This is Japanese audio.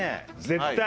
絶対。